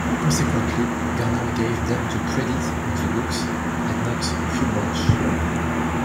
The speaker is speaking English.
Consequently, Gardner gave them the credit in the book and not Q Branch.